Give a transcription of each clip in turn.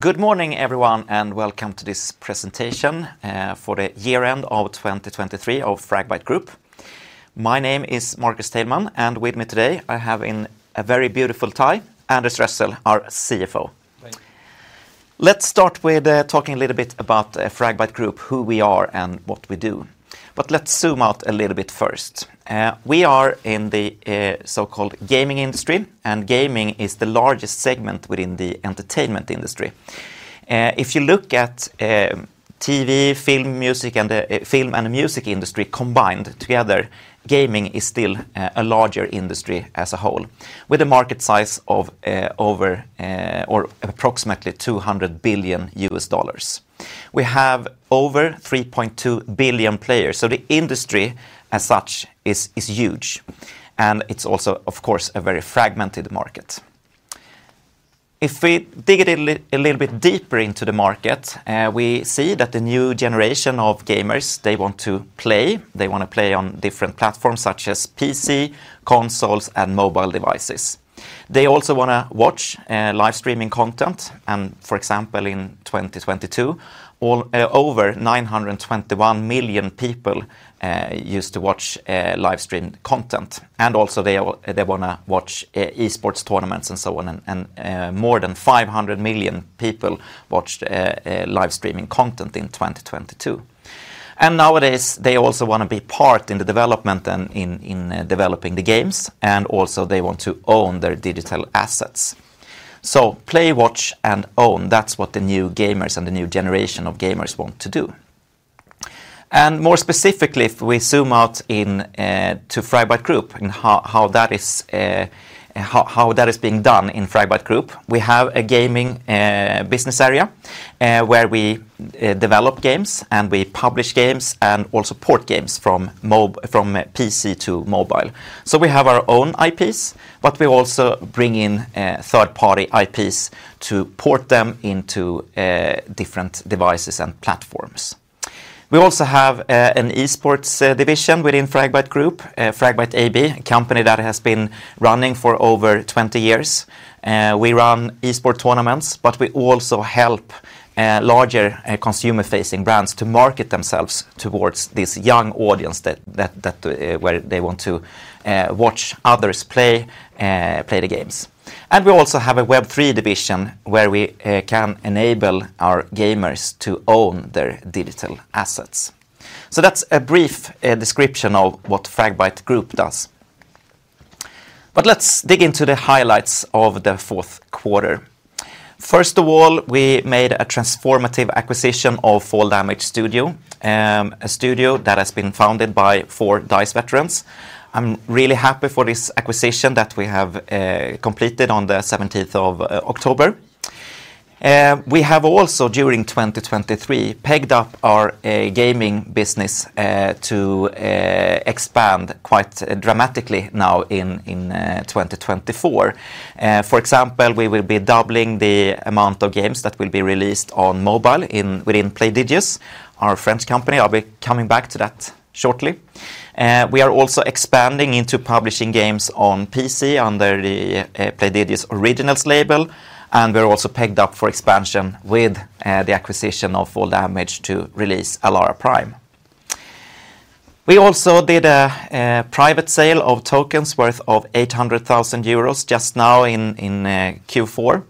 Good morning, everyone, and welcome to this presentation for the year-end of 2023 of Fragbite Group. My name is Marcus Teilman, and with me today I have in a very beautiful tie Anders Rössel, our CFO. Let's start with talking a little bit about Fragbite Group, who we are, and what we do. Let's zoom out a little bit first. We are in the so-called gaming industry, and gaming is the largest segment within the entertainment industry. If you look at TV, film, and music industry combined together, gaming is still a larger industry as a whole with a market size of approximately $200 billion. We have over 3.2 billion players, so the industry as such is huge, and it's also, of course, a very fragmented market. If we dig a little bit deeper into the market, we see that the new generation of gamers, they want to play. They want to play on different platforms such as PC, consoles, and mobile devices. They also want to watch live streaming content. For example, in 2022, over 921 million people used to watch live stream content. Also, they want to watch esports tournaments and so on, and more than 500 million people watched live streaming content in 2022. Nowadays, they also want to be part in the development and in developing the games, and also they want to own their digital assets. So play, watch, and own, that's what the new gamers and the new generation of gamers want to do. More specifically, if we zoom out to Fragbite Group and how that is being done in Fragbite Group, we have a gaming business area where we develop games and we publish games and also port games from PC to mobile. So we have our own IPs, but we also bring in third-party IPs to port them into different devices and platforms. We also have an esports division within Fragbite Group, Fragbite AB, a company that has been running for over 20 years. We run esports tournaments, but we also help larger consumer-facing brands to market themselves towards this young audience where they want to watch others play the games. We also have a Web3 division where we can enable our gamers to own their digital assets. So that's a brief description of what Fragbite Group does. But let's dig into the highlights of the fourth quarter. First of all, we made a transformative acquisition of Fall Damage Studio, a studio that has been founded by four DICE veterans. I'm really happy for this acquisition that we have completed on the 17th of October. We have also, during 2023, geared up our gaming business to expand quite dramatically now in 2024. For example, we will be doubling the amount of games that will be released on mobile within Playdigious, our French company. I'll be coming back to that shortly. We are also expanding into publishing games on PC under the Playdigious Originals label, and we're also geared up for expansion with the acquisition of Fall Damage to release ALARA Prime. We also did a private sale of tokens worth 800,000 euros just now in Q4,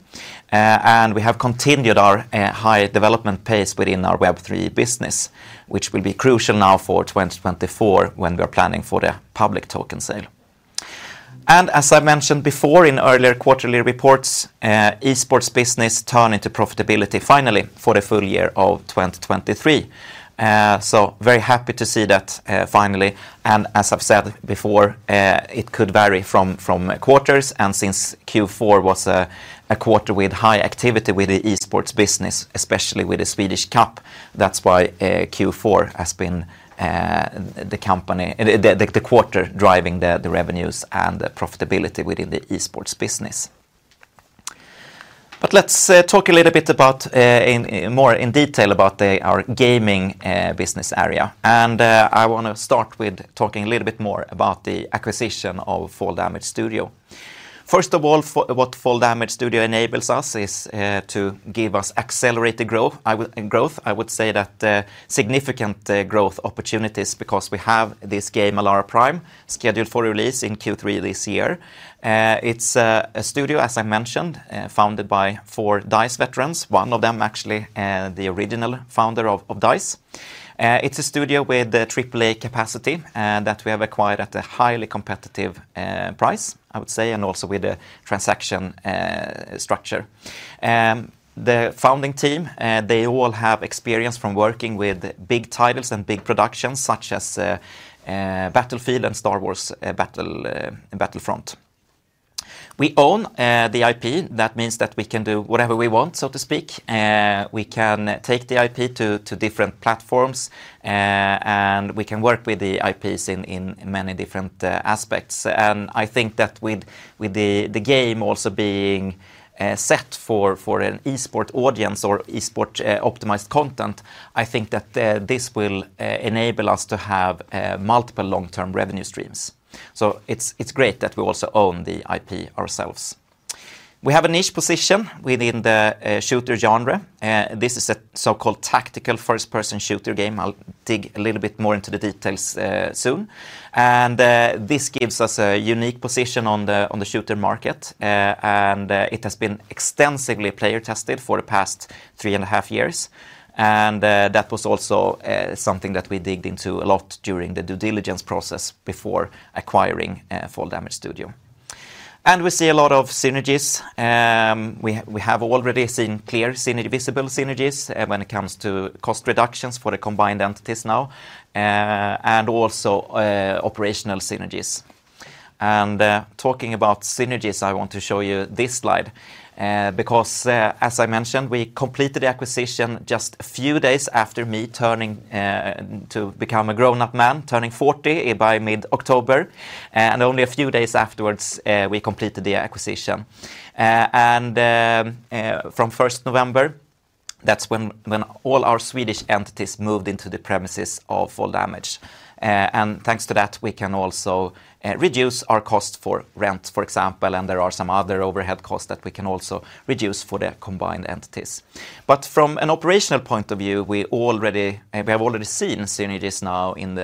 and we have continued our high development pace within our Web3 business, which will be crucial now for 2024 when we are planning for the public token sale. As I mentioned before in earlier quarterly reports, esports business turned into profitability finally for the full year of 2023. So very happy to see that finally. As I've said before, it could vary from quarters. Since Q4 was a quarter with high activity with the esports business, especially with the Swedish Cup, that's why Q4 has been the quarter driving the revenues and profitability within the esports business. But let's talk a little bit more in detail about our gaming business area. I want to start with talking a little bit more about the acquisition of Fall Damage Studio. First of all, what Fall Damage Studio enables us is to give us accelerated growth. I would say that significant growth opportunities because we have this game, ALARA Prime, scheduled for release in Q3 this year. It's a studio, as I mentioned, founded by four DICE veterans, one of them actually the original founder of DICE. It's a studio with AAA capacity that we have acquired at a highly competitive price, I would say, and also with a transaction structure. The founding team, they all have experience from working with big titles and big productions such as Battlefield and Star Wars Battlefront. We own the IP. That means that we can do whatever we want, so to speak. We can take the IP to different platforms, and we can work with the IPs in many different aspects. I think that with the game also being set for an esports audience or esports optimized content, I think that this will enable us to have multiple long-term revenue streams. So it's great that we also own the IP ourselves. We have a niche position within the shooter genre. This is a so-called tactical first-person shooter game. I'll dig a little bit more into the details soon. This gives us a unique position on the shooter market, and it has been extensively player tested for the past three and a half years. That was also something that we dug into a lot during the due diligence process before acquiring Fall Damage Studio. We see a lot of synergies. We have already seen clear visible synergies when it comes to cost reductions for the combined entities now and also operational synergies. Talking about synergies, I want to show you this slide because, as I mentioned, we completed the acquisition just a few days after me turning to become a grown-up man, turning 40 by mid-October. Only a few days afterwards, we completed the acquisition. From 1st November, that's when all our Swedish entities moved into the premises of Fall Damage. Thanks to that, we can also reduce our cost for rent, for example, and there are some other overhead costs that we can also reduce for the combined entities. But from an operational point of view, we have already seen synergies now in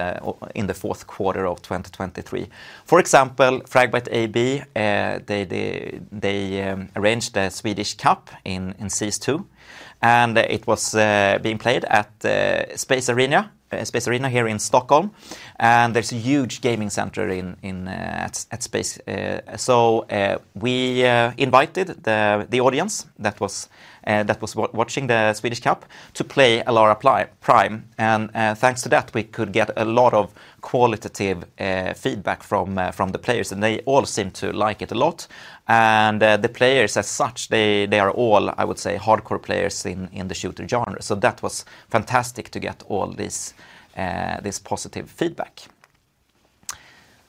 the fourth quarter of 2023. For example, Fragbite AB, they arranged the Swedish Cup in Season 2, and it was being played at Space Arena here in Stockholm. There's a huge gaming center at Space. So we invited the audience that was watching the Swedish Cup to play ALARA Prime. Thanks to that, we could get a lot of qualitative feedback from the players, and they all seemed to like it a lot. The players as such, they are all, I would say, hardcore players in the shooter genre. So that was fantastic to get all this positive feedback.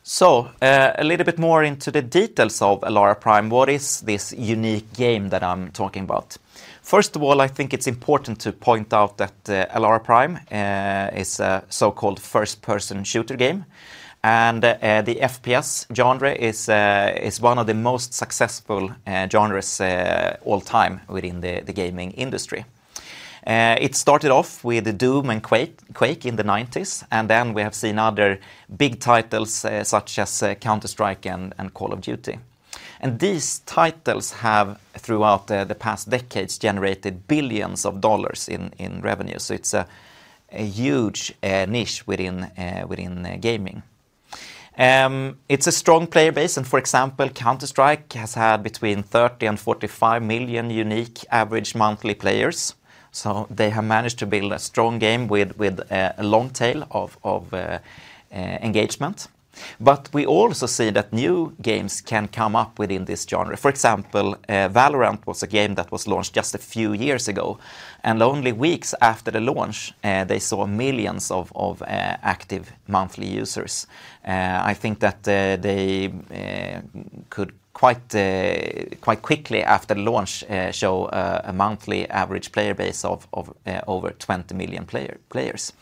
So a little bit more into the details of ALARA Prime, what is this unique game that I'm talking about? First of all, I think it's important to point out that ALARA Prime is a so-called first-person shooter game. The FPS genre is one of the most successful genres all time within the gaming industry. It started off with Doom and Quake in the 1990s, and then we have seen other big titles such as Counter-Strike and Call of Duty. These titles have, throughout the past decades, generated billions of dollars in revenue. It's a huge niche within gaming. It's a strong player base. For example, Counter-Strike has had between 30 and 45 million unique average monthly players. They have managed to build a strong game with a long tail of engagement. But we also see that new games can come up within this genre. For example, Valorant was a game that was launched just a few years ago, and only weeks after the launch, they saw millions of active monthly users. I think that they could quite quickly after the launch show a monthly average player base of over 20 million players.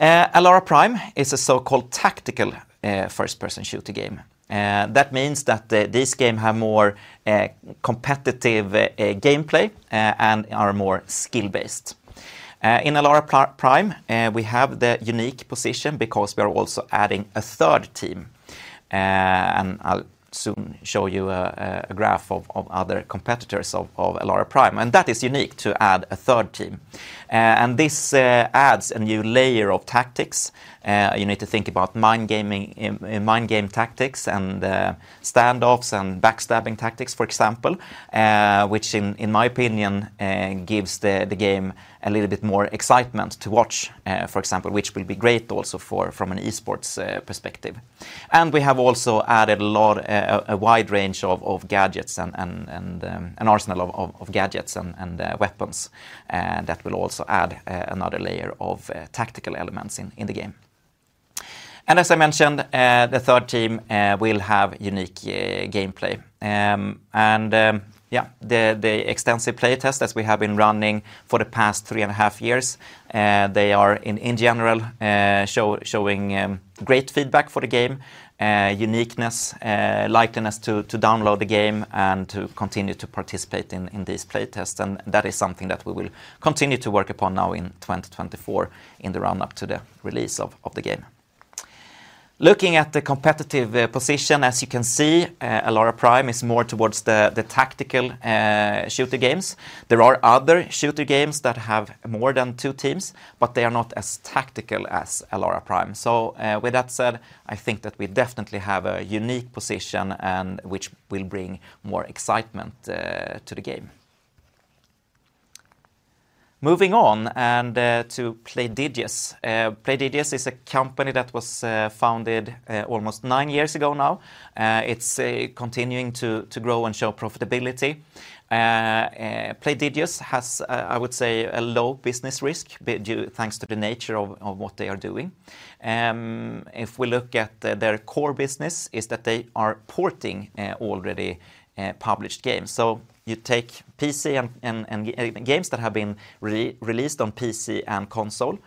ALARA Prime is a so-called tactical first-person shooter game. That means that this game has more competitive gameplay and is more skill-based. In ALARA Prime, we have the unique position because we are also adding a third team. I'll soon show you a graph of other competitors of ALARA Prime. That is unique to add a third team. This adds a new layer of tactics. You need to think about mind game tactics and standoffs and backstabbing tactics, for example, which, in my opinion, gives the game a little bit more excitement to watch, for example, which will be great also from an esports perspective. We have also added a wide range of gadgets and an arsenal of gadgets and weapons that will also add another layer of tactical elements in the game. As I mentioned, the third team will have unique gameplay. The extensive playtests that we have been running for the past 3.5 years, they are, in general, showing great feedback for the game, uniqueness, likelihood to download the game, and to continue to participate in these playtests. That is something that we will continue to work upon now in 2024 in the run-up to the release of the game. Looking at the competitive position, as you can see, ALARA Prime is more towards the tactical shooter games. There are other shooter games that have more than 2 teams, but they are not as tactical as ALARA Prime. So with that said, I think that we definitely have a unique position which will bring more excitement to the game. Moving on to Playdigious, Playdigious is a company that was founded almost 9 years ago now. It's continuing to grow and show profitability. Playdigious has, I would say, a low business risk thanks to the nature of what they are doing. If we look at their core business, it's that they are porting already published games. So you take PC and games that have been released on PC and console.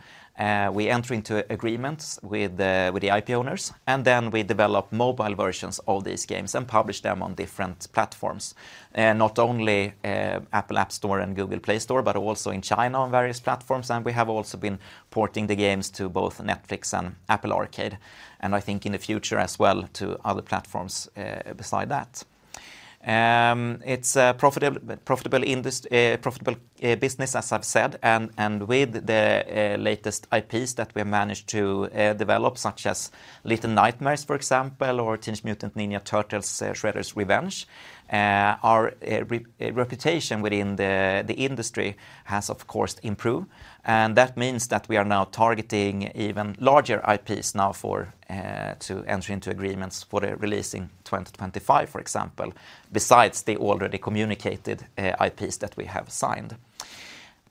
We enter into agreements with the IP owners, and then we develop mobile versions of these games and publish them on different platforms, not only Apple App Store and Google Play Store, but also in China on various platforms. We have also been porting the games to both Netflix and Apple Arcade. I think in the future as well to other platforms beside that. It's a profitable business, as I've said, and with the latest IPs that we have managed to develop, such as Little Nightmares, for example, or Teenage Mutant Ninja Turtles: Shredder's Revenge, our reputation within the industry has, of course, improved. That means that we are now targeting even larger IPs now to enter into agreements for the release in 2025, for example, besides the already communicated IPs that we have signed.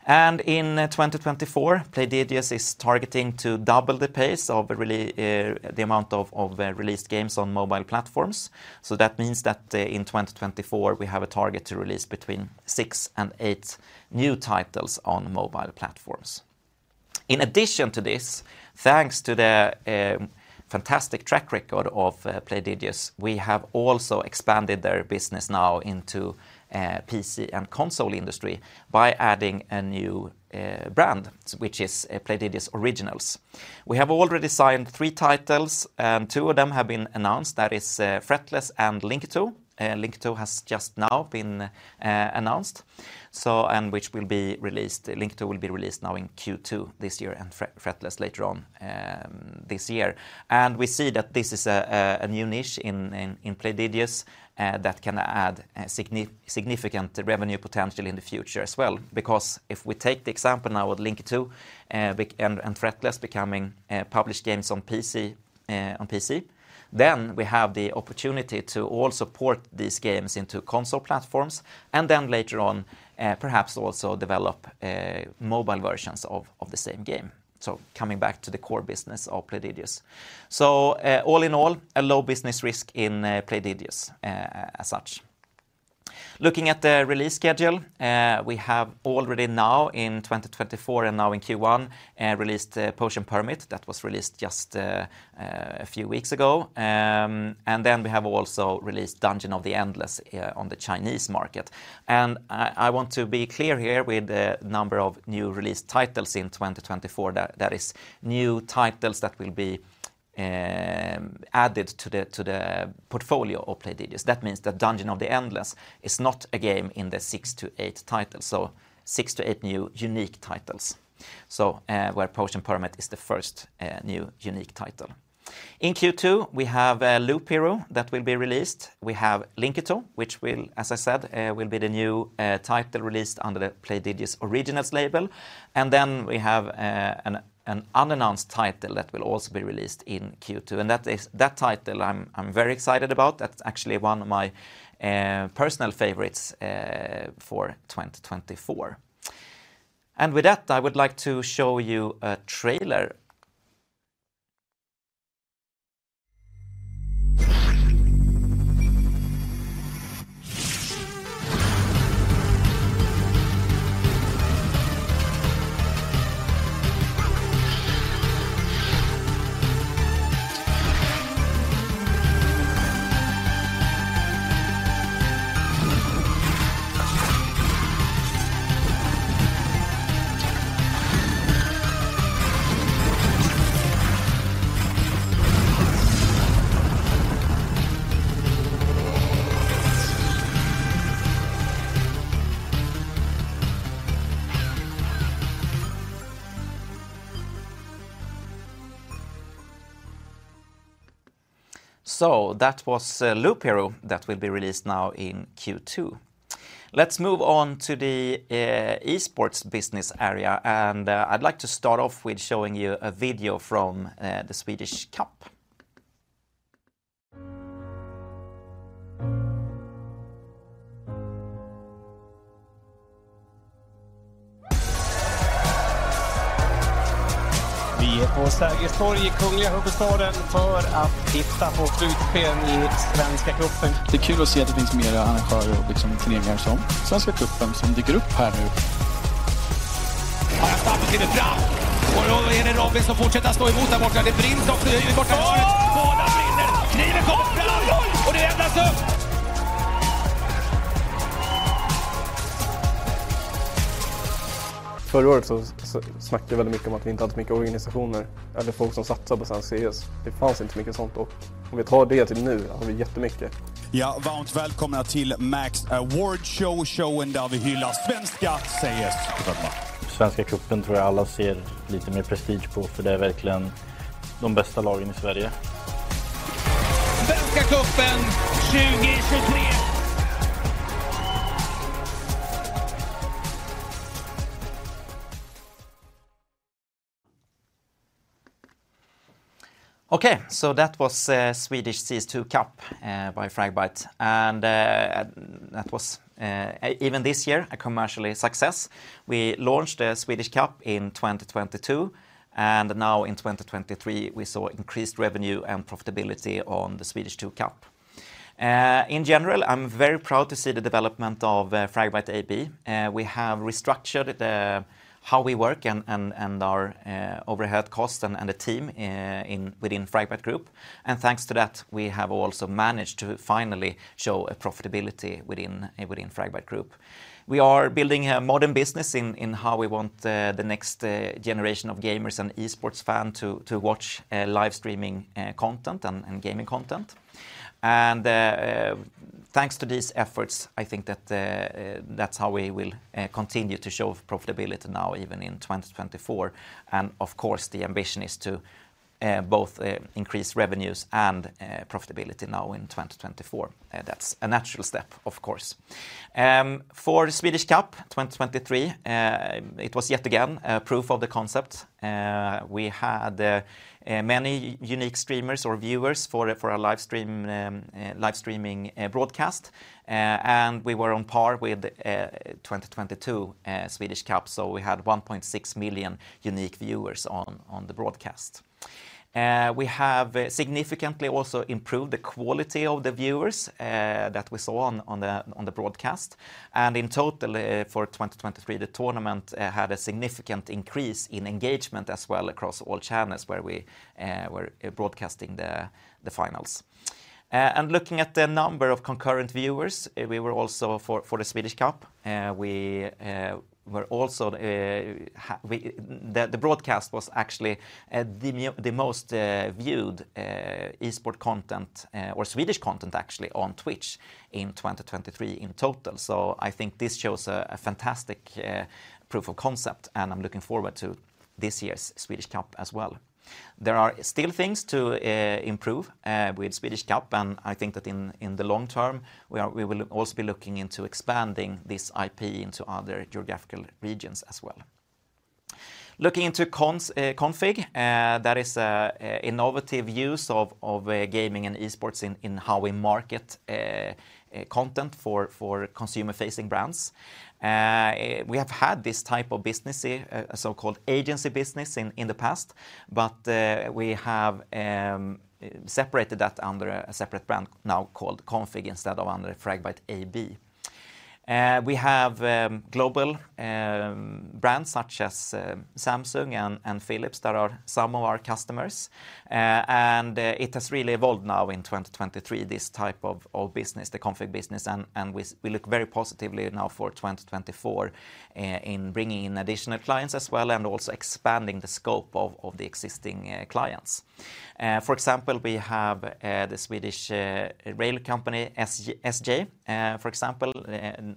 In 2024, Playdigious is targeting to double the pace of the amount of released games on mobile platforms. So that means that in 2024, we have a target to release between 6 and 8 new titles on mobile platforms. In addition to this, thanks to the fantastic track record of Playdigious, we have also expanded their business now into the PC and console industry by adding a new brand, which is Playdigious Originals. We have already signed three titles, and two of them have been announced. That is Fretless and Linkito. Linkito has just now been announced, which will be released. Linkito will be released now in Q2 this year and Fretless later on this year. We see that this is a new niche in Playdigious that can add significant revenue potential in the future as well because if we take the example now of Linkito and Fretless becoming published games on PC, then we have the opportunity to also port these games into console platforms and then later on perhaps also develop mobile versions of the same game. So coming back to the core business of Playdigious. So all in all, a low business risk in Playdigious as such. Looking at the release schedule, we have already now in 2024 and now in Q1 released Potion Permit that was released just a few weeks ago. Then we have also released Dungeon of the Endless on the Chinese market. I want to be clear here with the number of new released titles in 2024. That is, new titles that will be added to the portfolio of Playdigious. That means that Dungeon of the Endless is not a game in the 6-8 titles. So 6-8 new unique titles where Potion Permit is the first new unique title. In Q2, we have Loop Hero that will be released. We have Linkito, which, as I said, will be the new title released under the Playdigious Originals label. Then we have an unannounced title that will also be released in Q2. That title, I'm very excited about. That's actually one of my personal favorites for 2024. With that, I would like to show you a trailer. So that was Loop Hero that will be released now in Q2. Let's move on to the esports business area. I'd like to start off with showing you a video from the Swedish Cup. Vi är på Sergels torg i Kungliga Huvudstaden för att titta på slutspelen i Svenska Cupen. Det är kul att se att det finns fler arrangörer och turneringar som Svenska Cupen som dyker upp här nu. Han har stampat in det fram! Och då är det Robin som fortsätter att stå emot där borta. Det brinner också i borta håret. Båda brinner! Kniven kommer fram! Och det vändas upp! Förra året så snackade vi väldigt mycket om att det inte hade så mycket organisationer eller folk som satsade på Svensk CES. Det fanns inte så mycket sånt. Om vi tar det till nu har vi jättemycket. Ja, varmt välkomna till Max Award Show, showen där vi hyllar Svenska. CES i Värmland. Svenska Cupen tror jag alla ser lite mer prestige på, för det är verkligen de bästa lagen i Sverige. Svenska Cupen 2023! Okay, so that was Swedish Season 2 Cup by Fragbite. That was, even this year, a commercial success. We launched the Swedish Cup in 2022, and now in 2023, we saw increased revenue and profitability on the Swedish 2 Cup. In general, I'm very proud to see the development of Fragbite AB. We have restructured how we work and our overhead costs and the team within Fragbite Group. Thanks to that, we have also managed to finally show profitability within Fragbite Group. We are building a modern business in how we want the next generation of gamers and esports fans to watch live streaming content and gaming content. Thanks to these efforts, I think that that's how we will continue to show profitability now, even in 2024. Of course, the ambition is to both increase revenues and profitability now in 2024. That's a natural step, of course. For Swedish Cup 2023, it was yet again proof of the concept. We had many unique streamers or viewers for our live streaming broadcast, and we were on par with 2022 Swedish Cup. So we had 1.6 million unique viewers on the broadcast. We have significantly also improved the quality of the viewers that we saw on the broadcast. In total, for 2023, the tournament had a significant increase in engagement as well across all channels where we were broadcasting the finals. Looking at the number of concurrent viewers, we were also for the Swedish Cup. The broadcast was actually the most viewed esports content or Swedish content actually on Twitch in 2023 in total. So I think this shows a fantastic proof of concept, and I'm looking forward to this year's Swedish Cup as well. There are still things to improve with Swedish Cup, and I think that in the long term, we will also be looking into expanding this IP into other geographical regions as well. Looking into config, that is an innovative use of gaming and esports in how we market content for consumer-facing brands. We have had this type of business, a so-called agency business, in the past, but we have separated that under a separate brand now called config instead of under Fragbite AB. We have global brands such as Samsung and Philips that are some of our customers. It has really evolved now in 2023, this type of business, the config business, and we look very positively now for 2024 in bringing in additional clients as well and also expanding the scope of the existing clients. For example, we have the Swedish rail company, SJ. For example,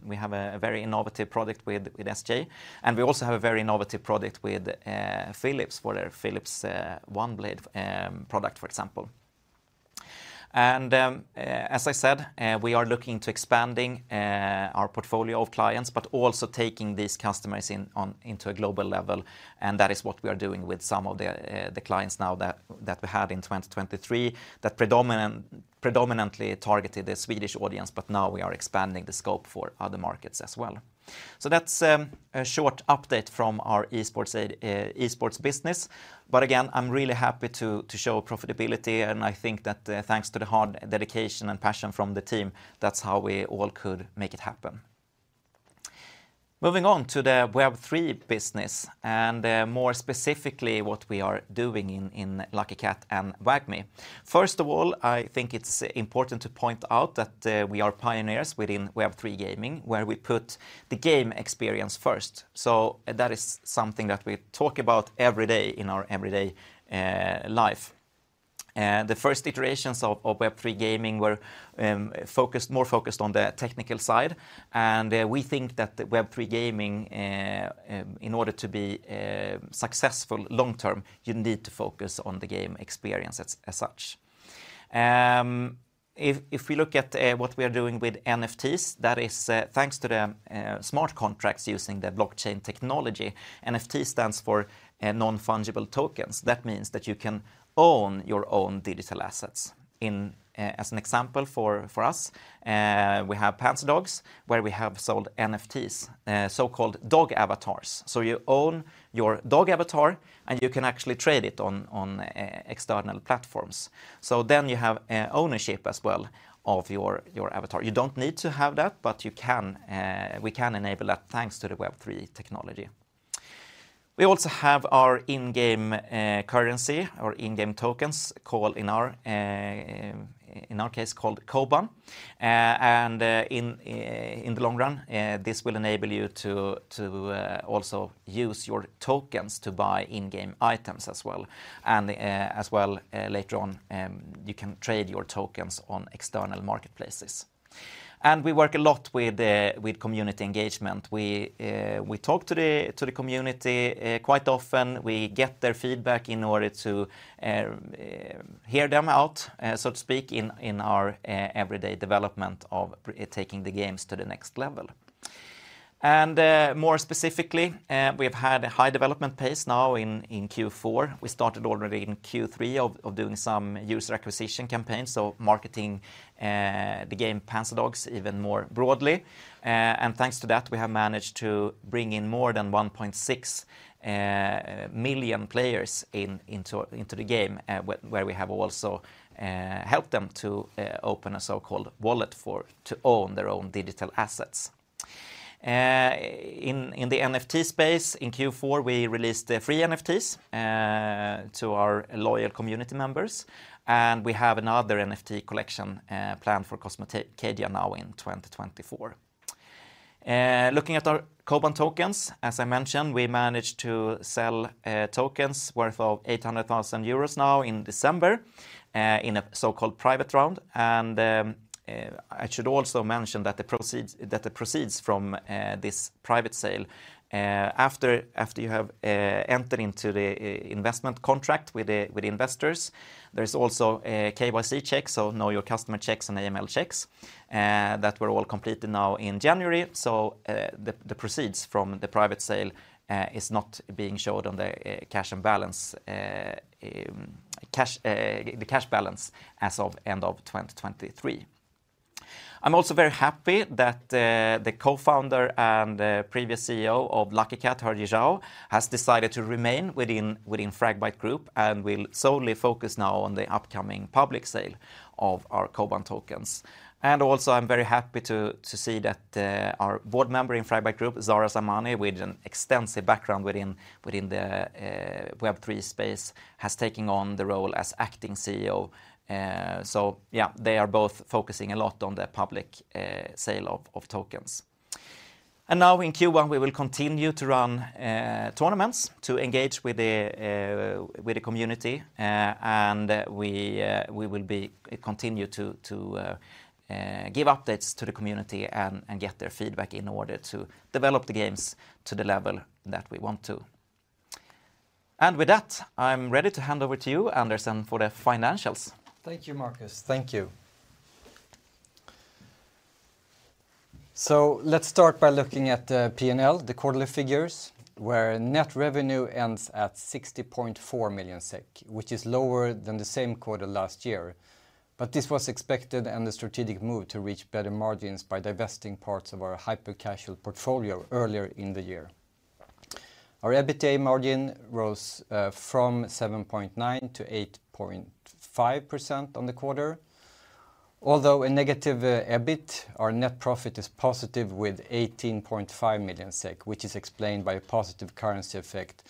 we have a very innovative product with SJ. We also have a very innovative product with Philips for their Philips OneBlade product, for example. As I said, we are looking into expanding our portfolio of clients but also taking these customers into a global level. That is what we are doing with some of the clients now that we had in 2023 that predominantly targeted the Swedish audience, but now we are expanding the scope for other markets as well. So that's a short update from our esports business. But again, I'm really happy to show profitability, and I think that thanks to the hard dedication and passion from the team, that's how we all could make it happen. Moving on to the Web3 business and more specifically what we are doing in Lucky Kat and WAGMI. First of all, I think it's important to point out that we are pioneers within Web3 gaming where we put the game experience first. So that is something that we talk about every day in our everyday life. The first iterations of Web3 gaming were more focused on the technical side. And we think that the Web3 gaming, in order to be successful long term, you need to focus on the game experience as such. If we look at what we are doing with NFTs, that is thanks to the smart contracts using the blockchain technology. NFT stands for Non-Fungible Tokens. That means that you can own your own digital assets. As an example for us, we have Panzerdogs where we have sold NFTs, so-called dog avatars. So you own your dog avatar and you can actually trade it on external platforms. So then you have ownership as well of your avatar. You don't need to have that, but we can enable that thanks to the Web3 technology. We also have our in-game currency, our in-game tokens in our case, called KOBAN. In the long run, this will enable you to also use your tokens to buy in-game items as well. And as well, later on, you can trade your tokens on external marketplaces. We work a lot with community engagement. We talk to the community quite often. We get their feedback in order to hear them out, so to speak, in our everyday development of taking the games to the next level. More specifically, we have had a high development pace now in Q4. We started already in Q3 of doing some user acquisition campaigns, so marketing the game Panzerdogs even more broadly. Thanks to that, we have managed to bring in more than 1.6 million players into the game where we have also helped them to open a so-called wallet to own their own digital assets. In the NFT space, in Q4, we released free NFTs to our loyal community members. We have another NFT collection planned for Cosmocadia now in 2024. Looking at our KOBAN tokens, as I mentioned, we managed to sell tokens worth of 800,000 euros now in December in a so-called private round. I should also mention that it proceeds from this private sale. After you have entered into the investment contract with the investors, there is also KYC checks, so Know Your Customer checks and AML checks, that were all completed now in January. So, the proceeds from the private sale is not being showed on the cash and balance, the cash balance as of end of 2023. I'm also very happy that the co-founder and previous CEO of Lucky Kat, Herdjie Zhou, has decided to remain within Fragbite Group and will solely focus now on the upcoming public sale of our KOBAN tokens. Also, I'm very happy to see that our board member in Fragbite Group, Zara Zamani, with an extensive background within the Web3 space, has taken on the role as acting CEO. So yeah, they are both focusing a lot on the public sale of tokens. Now in Q1, we will continue to run tournaments to engage with the community. And we will continue to give updates to the community and get their feedback in order to develop the games to the level that we want to. And with that, I'm ready to hand over to you, Anders, for the financials. Thank you, Marcus. Thank you. So let's start by looking at the P&L, the quarterly figures, where net revenue ends at 60.4 million SEK, which is lower than the same quarter last year. But this was expected and a strategic move to reach better margins by divesting parts of our hyper-cash-out portfolio earlier in the year. Our EBITDA margin rose from 7.9%-8.5% on the quarter. Although a negative EBIT, our net profit is positive with 18.5 million SEK, which is explained by a positive currency effect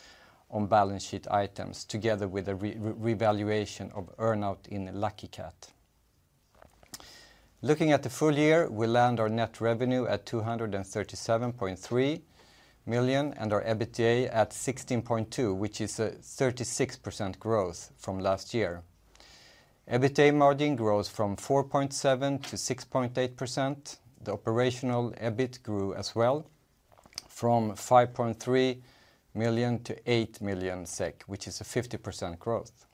on balance sheet items, together with a revaluation of earnout in Lucky Kat. Looking at the full year, we land our net revenue at 237.3 million and our EBITDA at 16.2%, which is a 36% growth from last year. EBITDA margin grows from 4.7%-6.8%. The operational EBIT grew as well, from 5.3 million to 8 million SEK, which is a 50% growth.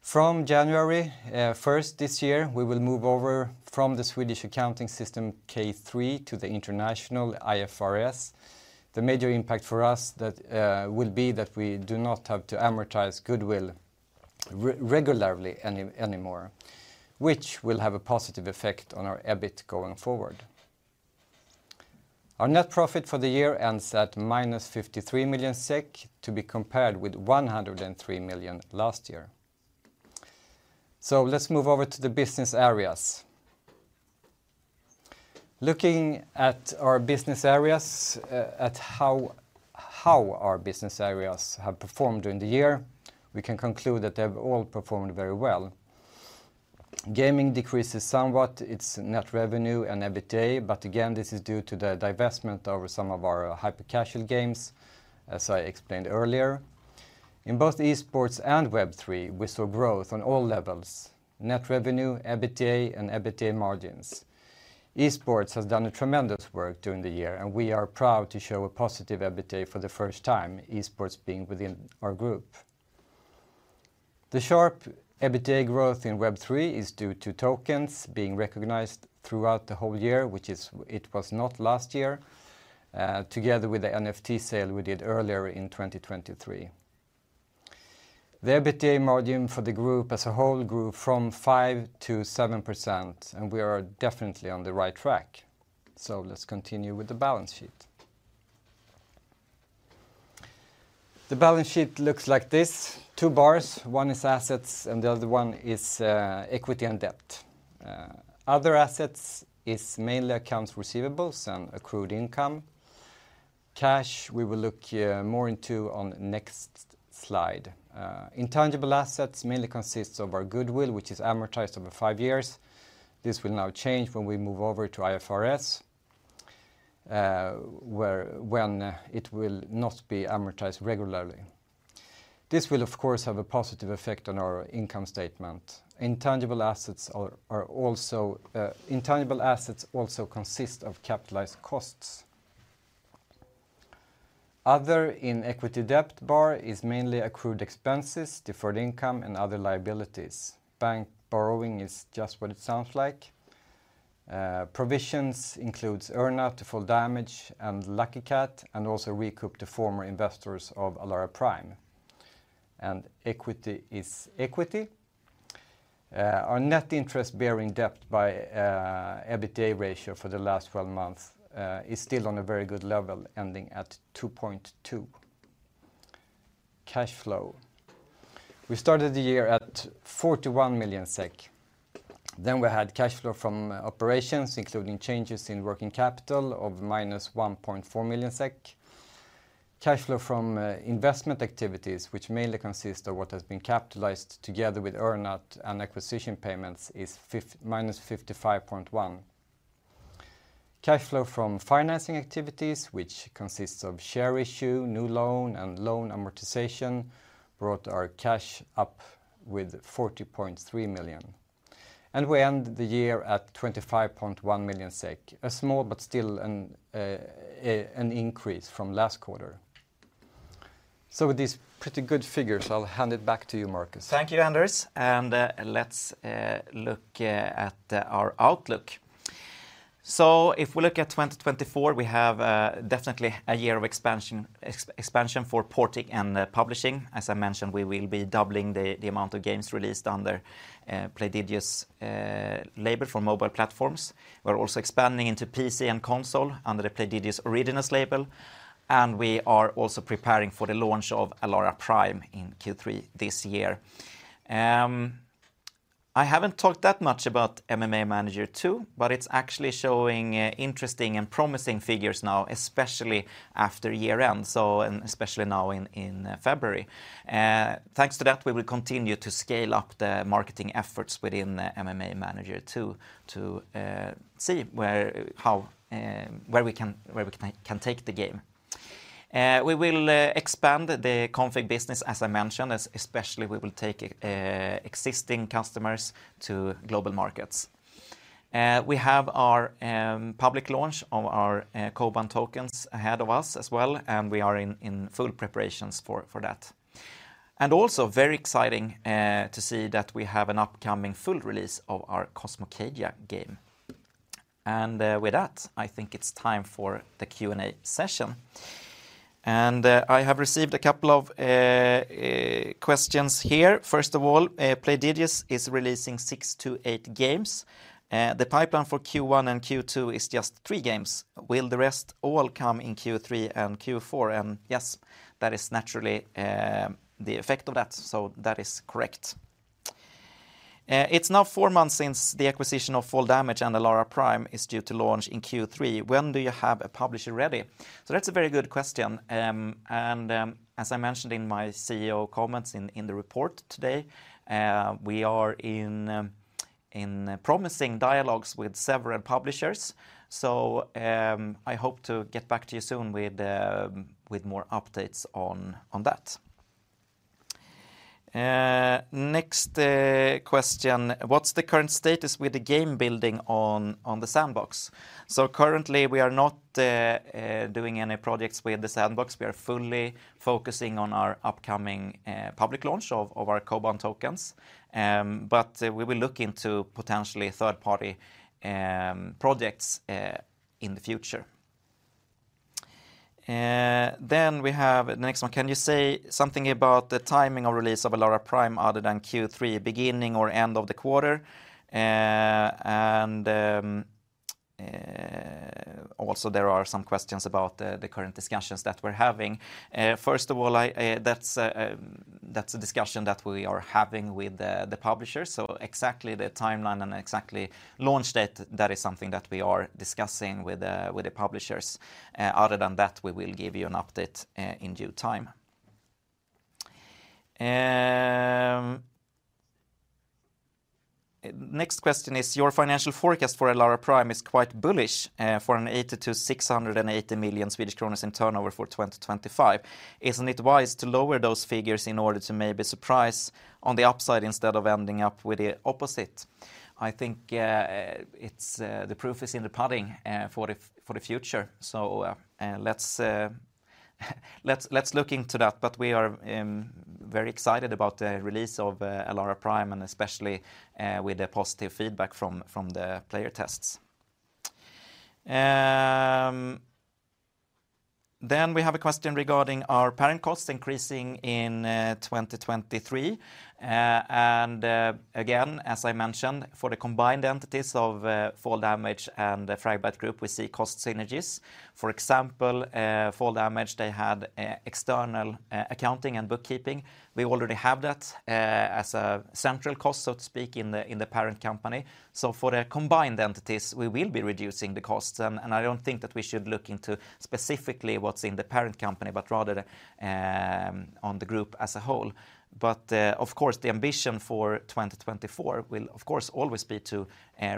From January 1st this year, we will move over from the Swedish accounting system K3 to the international IFRS. The major impact for us will be that we do not have to amortize goodwill regularly anymore, which will have a positive effect on our EBIT going forward. Our net profit for the year ends at -53 million SEK to be compared with 103 million last year. Let's move over to the business areas. Looking at our business areas, at how our business areas have performed during the year, we can conclude that they have all performed very well. Gaming decreases somewhat, its net revenue and EBITDA, but again, this is due to the divestment of some of our hyper-cash-out games, as I explained earlier. In both esports and Web3, we saw growth on all levels: net revenue, EBITDA, and EBITDA margins. Esports has done a tremendous work during the year, and we are proud to show a positive EBITDA for the first time, esports being within our group. The sharp EBITDA growth in Web3 is due to tokens being recognized throughout the whole year, which it was not last year, together with the NFT sale we did earlier in 2023. The EBITDA margin for the group as a whole grew from 5%-7%, and we are definitely on the right track. So let's continue with the balance sheet. The balance sheet looks like this: two bars. One is assets, and the other one is equity and debt. Other assets are mainly accounts receivable and accrued income. Cash, we will look more into on the next slide. Intangible assets mainly consist of our goodwill, which is amortized over five years. This will now change when we move over to IFRS, when it will not be amortized regularly. This will, of course, have a positive effect on our income statement. Intangible assets also consist of capitalized costs. Other in the equity/debt bar is mainly accrued expenses, deferred income, and other liabilities. Bank borrowing is just what it sounds like. Provisions include earnout to Fall Damage and Lucky Kat, and also recoup to former investors of ALARA Prime. Equity is equity. Our net interest-bearing debt by EBITDA ratio for the last 12 months is still on a very good level, ending at 2.2%. Cash flow. We started the year at 41 million SEK. Then we had cash flow from operations, including changes in working capital, of minus 1.4 million SEK. Cash flow from investment activities, which mainly consist of what has been capitalized together with earnout and acquisition payments, is minus 55.1 million. Cash flow from financing activities, which consists of share issue, new loan, and loan amortization, brought our cash up with 40.3 million. We end the year at 25.1 million SEK, a small but still an increase from last quarter. So with these pretty good figures, I'll hand it back to you, Marcus. Thank you, Anders. Let's look at our outlook. If we look at 2024, we have definitely a year of expansion for porting and publishing. As I mentioned, we will be doubling the amount of games released under Playdigious label for mobile platforms. We're also expanding into PC and console under the Playdigious Originals label. And we are also preparing for the launch of ALARA Prime in Q3 this year. I haven't talked that much about MMA Manager 2, but it's actually showing interesting and promising figures now, especially after year-end, so especially now in February. Thanks to that, we will continue to scale up the marketing efforts within MMA Manager 2 to see where, how, where we can, where we can take the game. We will expand the config business, as I mentioned, especially we will take existing customers to global markets. We have our public launch of our KOBAN tokens ahead of us as well, and we are in full preparations for that. And also, very exciting, to see that we have an upcoming full release of our Cosmocadia game. And with that, I think it's time for the Q&A session. And I have received a couple of questions here. First of all, Playdigious is releasing 6-8 games. The pipeline for Q1 and Q2 is just three games. Will the rest all come in Q3 and Q4? And yes, that is naturally the effect of that. So that is correct. It's now four months since the acquisition of Fall Damage and ALARA Prime is due to launch in Q3. When do you have a publisher ready? So that's a very good question. As I mentioned in my CEO comments in the report today, we are in promising dialogues with several publishers. So, I hope to get back to you soon with more updates on that. Next question. What's the current status with the game building on the Sandbox? So currently, we are not doing any projects with the Sandbox. We are fully focusing on our upcoming public launch of our KOBAN tokens. But we will look into potentially third-party projects in the future. Then we have the next one. Can you say something about the timing of release of ALARA Prime other than Q3, beginning or end of the quarter? Also, there are some questions about the current discussions that we're having. First of all, that's a discussion that we are having with the publishers. So exactly the timeline and exactly launch date, that is something that we are discussing with the publishers. Other than that, we will give you an update in due time. Next question is, your financial forecast for ALARA Prime is quite bullish for 80 million-680 million Swedish kronor in turnover for 2025. Isn't it wise to lower those figures in order to maybe surprise on the upside instead of ending up with the opposite? I think, the proof is in the pudding, for the future. So, let's look into that. But we are very excited about the release of ALARA Prime, and especially with the positive feedback from the player tests. Then we have a question regarding our parent costs increasing in 2023. Again, as I mentioned, for the combined entities of Fall Damage and Fragbite Group, we see cost synergies. For example, Fall Damage, they had external accounting and bookkeeping. We already have that as a central cost, so to speak, in the parent company. So for the combined entities, we will be reducing the costs. I don't think that we should look into specifically what's in the parent company, but rather, on the group as a whole. But, of course, the ambition for 2024 will, of course, always be to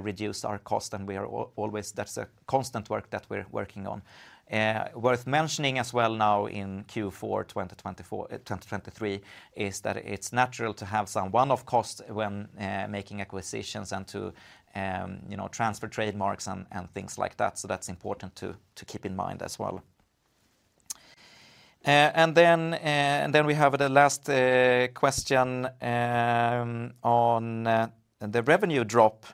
reduce our costs. We are always, that's a constant work that we're working on. Worth mentioning as well now in Q4 2023 is that it's natural to have some one-off costs when making acquisitions and to, you know, transfer trademarks and things like that. So that's important to keep in mind as well. Then we have the last question on the revenue drop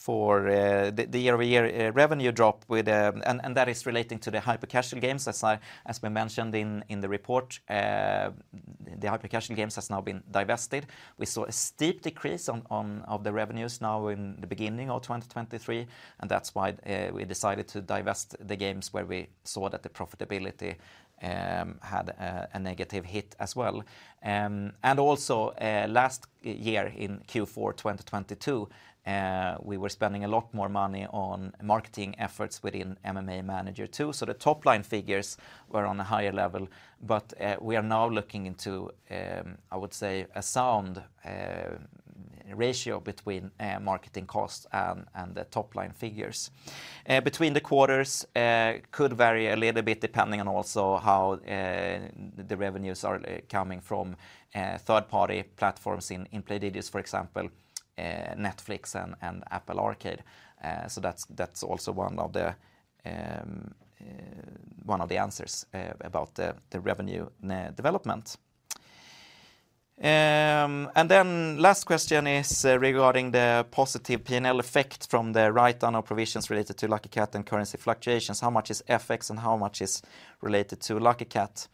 for the year-over-year revenue drop. And that is relating to the hyper-cash-out games, as we mentioned in the report. The hyper-cash-out games have now been divested. We saw a steep decrease of the revenues now in the beginning of 2023. And that's why we decided to divest the games where we saw that the profitability had a negative hit as well. And also, last year in Q4 2022, we were spending a lot more money on marketing efforts within MMA Manager 2. So the top-line figures were on a higher level. But we are now looking into, I would say, a sound ratio between marketing costs and the top-line figures. Between the quarters, it could vary a little bit depending on also how the revenues are coming from third-party platforms in Playdigious, for example, Netflix and Apple Arcade. So that's also one of the answers about the revenue development. And then the last question is regarding the positive P&L effect from the write-down of provisions related to Lucky Kat and currency fluctuations. How much is FX and how much is related to Lucky Kat?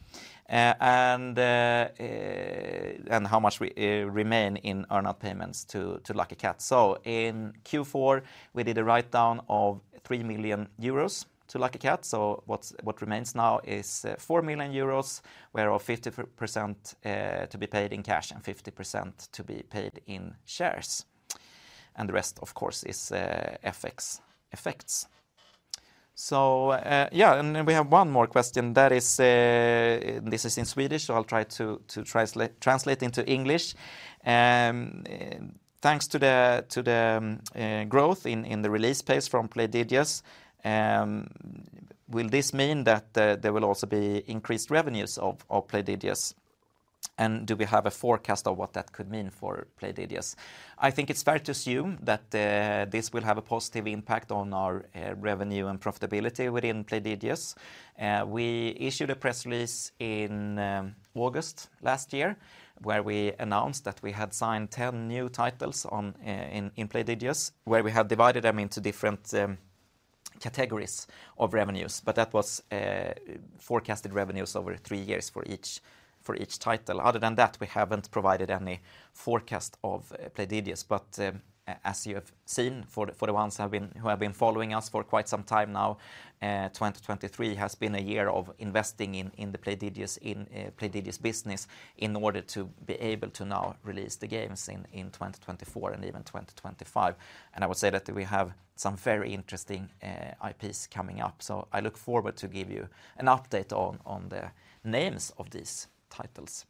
And how much remains in earnout payments to Lucky Kat? So in Q4, we did a write-down of 3 million euros to Lucky Kat. So what remains now is 4 million euros, whereof 50% to be paid in cash and 50% to be paid in shares. And the rest, of course, is FX effects. So yeah, and we have one more question. That is, this is in Swedish, so I'll try to translate into English. Thanks to the growth in the release pace from Playdigious, will this mean that there will also be increased revenues of Playdigious? And do we have a forecast of what that could mean for Playdigious? I think it's fair to assume that this will have a positive impact on our revenue and profitability within Playdigious. We issued a press release in August last year, where we announced that we had signed 10 new titles in Playdigious, where we had divided them into different categories of revenues. But that was forecasted revenues over three years for each title. Other than that, we haven't provided any forecast of Playdigious. As you have seen, for the ones who have been following us for quite some time now, 2023 has been a year of investing in the Playdigious business in order to be able to now release the games in 2024 and even 2025. I would say that we have some very interesting IPs coming up. I look forward to giving you an update on the names of these titles.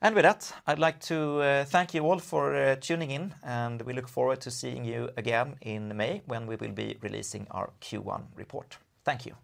With that, I'd like to thank you all for tuning in. We look forward to seeing you again in May when we will be releasing our Q1 report. Thank you.